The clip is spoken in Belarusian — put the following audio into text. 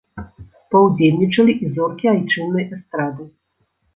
Паўдзельнічалі і зоркі айчыннай эстрады.